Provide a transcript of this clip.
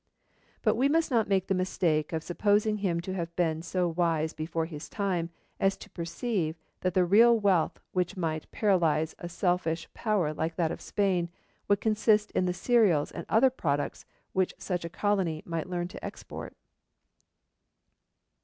But we must not make the mistake of supposing him to have been so wise before his time as to perceive that the real wealth which might paralyse a selfish power like that of Spain would consist in the cereals and other products which such a colony might learn to export.